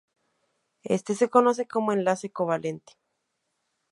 Esto se conoce como enlace covalente.